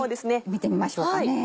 見てみましょうか。